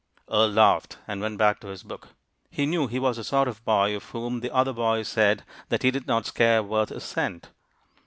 Earle laughed, and went back to his book. He knew he was the sort of boy of whom the other boys said that he did not "scare worth a cent."